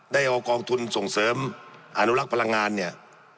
ได้เอากองทุนส่งเสริมอนุรักษ์พลังงานเนี่ย